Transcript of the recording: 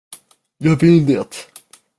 Jag vill det.